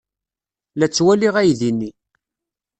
La ttwaliɣ aydi-nni.